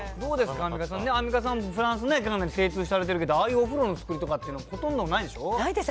アンミカさんね、アンミカさんもフランスね、精通されてるけど、ああいうお風呂の作りとかって、ほとんどないないです。